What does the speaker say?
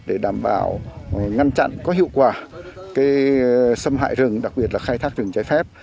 để đảm bảo ngăn chặn có hiệu quả xâm hại rừng đặc biệt là khai thác rừng trái phép